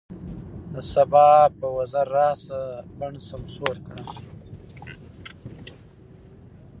د سبا په وزر راشه، بڼ سمسور کړه